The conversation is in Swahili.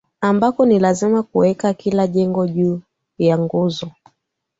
ambako ni lazima kuweka kila jengo juu ya nguzo